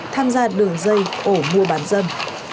tham gia đường dây ổ mua bán dâm